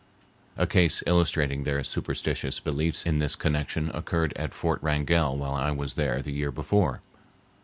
A case illustrating their superstitious beliefs in this connection occurred at Fort Wrangell while I was there the year before.